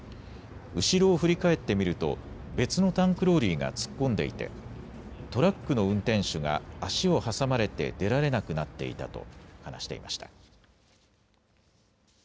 後ろを振り返ってみると別のタンクローリーが突っ込んでいてトラックの運転手が足を挟まれて出られなくなっていたと話していました。